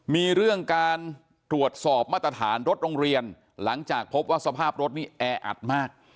มีเรื่องการตรวจสอบมาตรฐานรถโรงเรียนหลังจากพบว่าสภาพรถนี่แออัดมาก